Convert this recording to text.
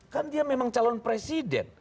kan dia memang calon presiden